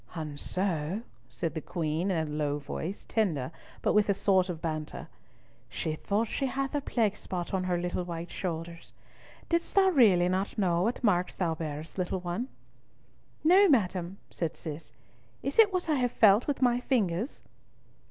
"And so," said the Queen, in a low voice, tender, but with a sort of banter, "she thought she had the plague spot on her little white shoulders. Didst thou really not know what marks thou bearest, little one?" "No, madam," said Cis. "Is it what I have felt with my fingers?"